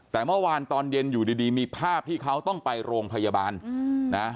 แต่เมื่อวานตอนเย็นอยู่ดีมีภาพที่เขาต้องไปโรงพยาบาลนะ